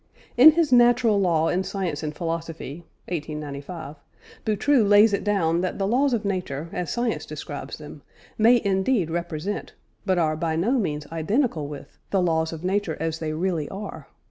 In his Natural Law in Science and Philosophy (1895), Boutroux lays it down that the laws of nature, as science describes them, may indeed represent, but are by no means identical with, the laws of nature as they really are.